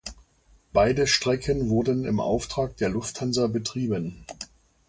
Beide Strecken wurden im Auftrag der Lufthansa betrieben.